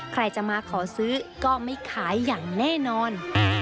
ใครจะมาขอซื้อก็ไม่ขายอย่างแน่นอน